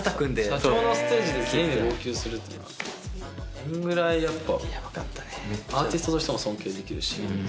そんぐらいやっぱ。